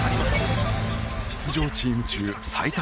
出場チーム中最多